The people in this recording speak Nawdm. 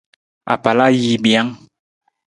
Apalajiimijang.